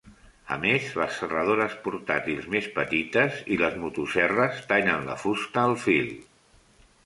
A més, les serradores portàtils més petites y les motoserres tallen la fusta al fil.